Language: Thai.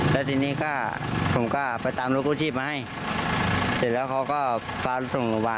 แล้วทีนี้ก็ผมก็ไปตามรถคู่ชีพมาให้